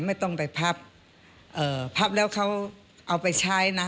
ไม่ต้องไปพับเอ่อพับแล้วเขาเอาไปใช้นะ